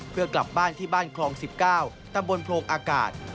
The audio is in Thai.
เพื่อกลับบ้านที่บ้านคลอง๑๙ตำบลโพรงอากาศ